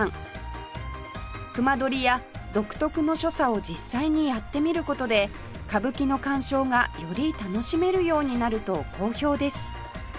隈取や独特の所作を実際にやってみる事で歌舞伎の鑑賞がより楽しめるようになると好評です